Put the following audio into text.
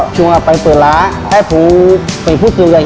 แล้วผมไปพูดสูงกับที่เฮีย